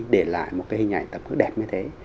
để lại một cái hình ảnh tập hướng đẹp như thế